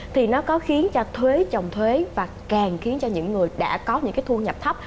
thì nó có khiến cho thuế trồng thuế và càng khiến cho những người đã có những cái thu nhập thấp